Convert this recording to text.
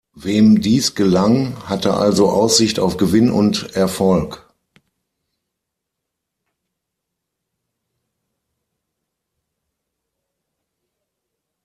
Wem dies gelang, hatte also Aussicht auf Gewinn und Erfolg.